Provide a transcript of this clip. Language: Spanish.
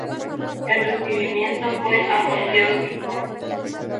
El recibimiento fue apoteósico.